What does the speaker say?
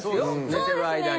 寝てる間に。